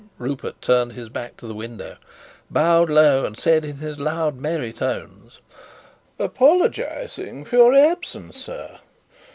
Rupert turned his back to the window, bowed low, and said, in his loud, merry tones: "Apologizing for your absence, sir.